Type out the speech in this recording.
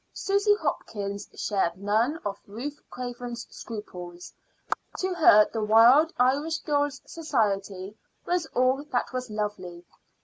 Susy Hopkins shared none of Ruth Craven's scruples. To her the Wild Irish Girls' Society was all that was lovely.